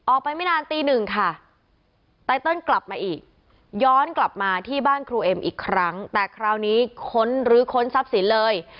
ไม่นานตีหนึ่งค่ะไตเติลกลับมาอีกย้อนกลับมาที่บ้านครูเอ็มอีกครั้งแต่คราวนี้ค้นรื้อค้นทรัพย์สินเลย